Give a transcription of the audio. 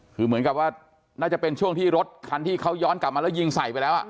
คือเหมือนกับว่าน่าจะเป็นช่วงที่รถคันที่เขาย้อนกลับมาแล้วยิงใส่ไปแล้ว